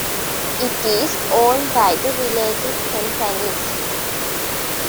It is owned by The Related Companies.